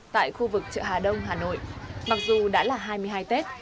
tại khu vực chợ hà đông hà nội mặc dù đã là hai mươi hai tết